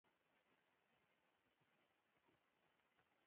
کابل د افغان ښځو په ژوند کې خورا مهم رول لري.